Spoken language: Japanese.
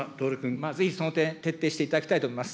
ぜひ、その点、徹底していただきたいと思います。